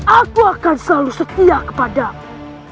aku akan selalu setia kepadamu